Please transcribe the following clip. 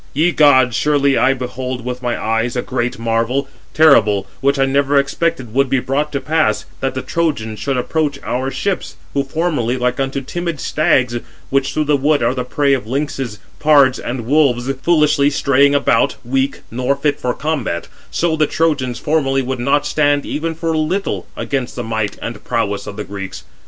Ye gods, surely I behold with my eyes a great marvel, terrible, which I never expected would be brought to pass, that the Trojans should approach our ships; who formerly, like unto timid stags, which through the wood are the prey of lynxes, pards, and wolves, foolishly straying about, weak, nor fit for combat: so the Trojans formerly would not stand even for a little against the might and prowess of the Greeks.